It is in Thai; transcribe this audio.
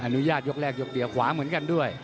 อนุญาตยกแรกยกเดียวขวาเหมือนกันด้วย